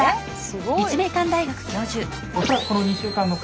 ２週間で？